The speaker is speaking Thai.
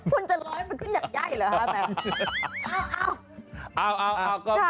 คุณจะร้อยให้มันขึ้นแย่หรือครับแมน